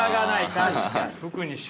確かに。